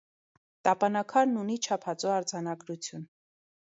Տապանաքարն ունի չափածո արձանագրություն։